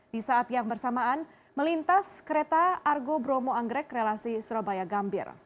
di saat yang bersamaan melintas kereta argo bromo anggrek relasi surabaya gambir